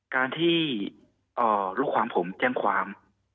การที่ลูกความผมแจ้งความ